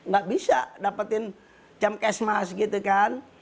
gak bisa dapetin jam kesmas gitu kan